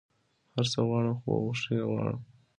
هر څه غواړم خو په خوښی يي غواړم